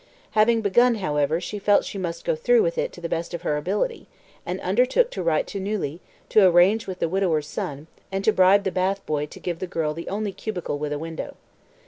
Having begun, however, she felt she must go through with it to the best of her ability, and undertook to write to Neuilly, to arrange with the widower's son, and to bribe the bath boy to give the girl the only cubicle with a window.